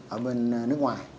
ở bên nước ngoài